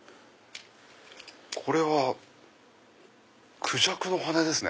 これはクジャクの羽ですね。